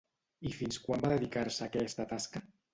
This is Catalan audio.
I fins quan va dedicar-se a aquesta tasca?